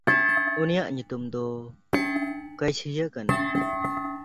ᱩᱱᱤᱭᱟᱜ ᱧᱩᱛᱩᱢ ᱫᱚ ᱠᱟᱭᱥᱦᱤᱭᱟ ᱠᱟᱱᱟ᱾